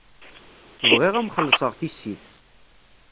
Bɣiɣ ad m-xellṣeɣ tissit.